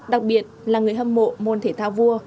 đặc biệt là người hâm mộ môn thể thao vua